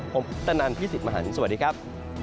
ผมตะนันพิศิษฐ์มหาลสวัสดีครับ